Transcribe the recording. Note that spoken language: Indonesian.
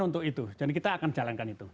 untuk itu jadi kita akan jalankan itu